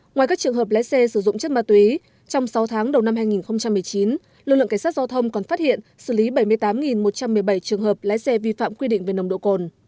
ngoài các trường hợp lái xe sử dụng chất ma túy trong sáu tháng đầu năm hai nghìn một mươi chín lực lượng cảnh sát giao thông còn phát hiện xử lý bảy mươi tám một trăm một mươi bảy trường hợp lái xe vi phạm quy định về nồng độ cồn